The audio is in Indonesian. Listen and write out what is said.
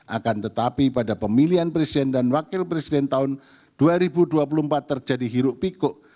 akan tetapi pada pemilihan presiden dan wakil presiden tahun dua ribu dua puluh empat terjadi hiruk pikuk